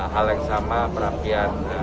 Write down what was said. hal yang sama perapian